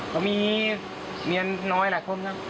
เขามีเมียน้อยหลายคนนะ